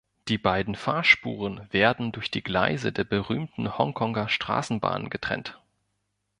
Die beiden Fahrspuren werden durch die Gleise der berühmten Hongkonger Straßenbahnen getrennt.